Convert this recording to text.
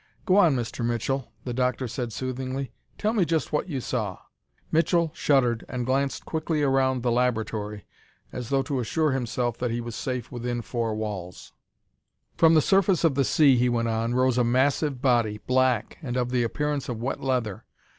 "Go on, Mr. Mitchell," the doctor said soothingly. "Tell me just what you saw." Mitchell shuddered and glanced quickly around the laboratory as though to assure himself that he was safe within four walls. "From the surface of the sea," he went on, "rose a massive body, black, and of the appearance of wet leather.